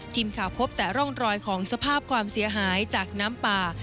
ทีมข่าวพบแต่ร่องรอยของสภาพความเสียหายจากน้ำป่า